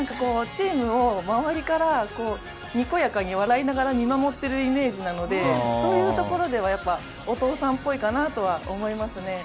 チームを周りからにこやかに笑いながら見守っているイメージなのでそういうところではお父さんっぽいかなとは思いますね。